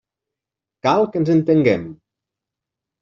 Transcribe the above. Cal que ens entenguem.